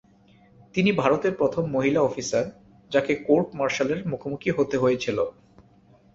তিনি ভারতের প্রথম মহিলা অফিসার, যাঁকে কোর্ট মার্শালের মুখোমুখি হতে হয়েছিল।